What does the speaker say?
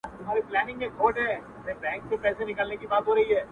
دا څنګه چل دی د ژړا او د خندا لوري ـ